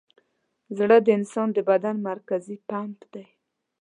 زړه د انسان د بدن مرکزي پمپ دی.